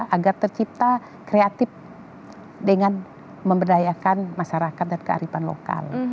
agar tercipta kreatif dengan memberdayakan masyarakat dan kearifan lokal